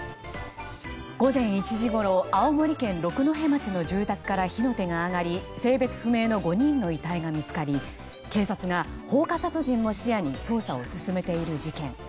午前１時ごろ青森県六戸町の住宅から火の手が上がり性別不明の５人の遺体が見つかり警察が放火殺人も視野に捜査を進めている事件。